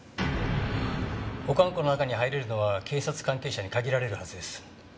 保管庫の中に入れるのは警察関係者に限られるはずです。